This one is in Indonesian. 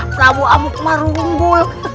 prabu amuk marukwote